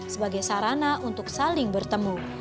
sebagai sarana untuk saling bertemu